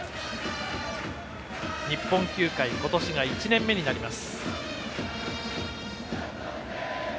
日本球界今年が１年目になります。